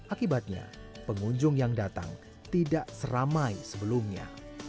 akibatnya pengunjung yang datang tidak seramai sebelumnya